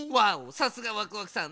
さすがワクワクさん。